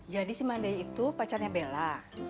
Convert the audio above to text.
jadi si monday itu pacarnya bela